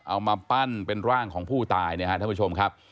เอามาปั้นเป็นร่างของผู้ตายนะครับท่านผู้ชมครับ